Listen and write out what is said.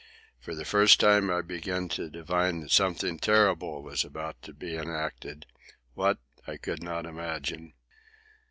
For the first time I began to divine that something terrible was about to be enacted,—what, I could not imagine.